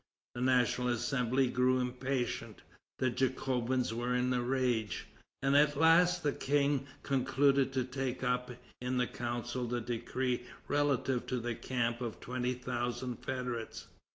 The National Assembly grew impatient. The Jacobins were in a rage. At last the King concluded to take up in the Council the decree relative to the camp of twenty thousand federates.